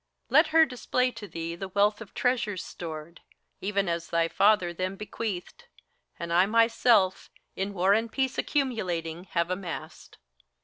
Let her display to thee the wealth of treasures stored, Even as thy father them bequeathed, and I myself, In war and peace accumulating, have amassed.